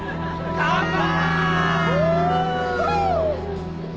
乾杯！